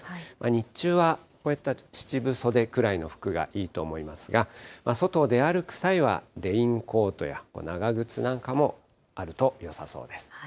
日中はこういった七分袖ぐらいの服がいいと思いますが、外出歩く際は、レインコートや長靴なんかもあるとよさそうです。